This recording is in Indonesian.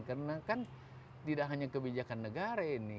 karena kan tidak hanya kebijakan negara ini